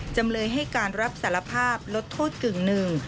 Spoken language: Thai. จำเลยให้การรับสารภาพลดโทษกึ่งหนึ่ง